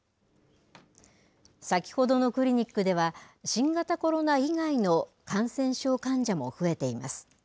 先ほどのクリニックでは新型コロナ以外の感染症患者も増えています。